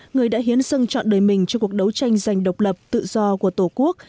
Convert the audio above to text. người đã hiến sân chọn đời mình cho cuộc đấu tranh giành độc lập tự do của tổ quốc